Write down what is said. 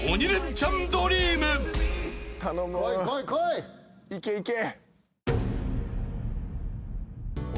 いけいけ。